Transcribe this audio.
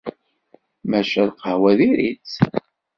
Maca lqahwa diri-tt.